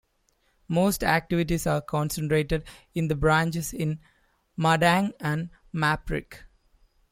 Most activities are concentrated in the branches in Madang and Maprik.